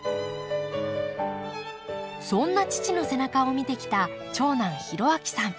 そんな父の背中を見てきた長男浩章さん。